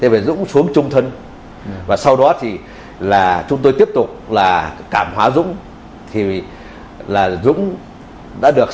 về dũng xuống trung thân và sau đó thì là chúng tôi tiếp tục là cảm hóa dũng thì là dũng đã được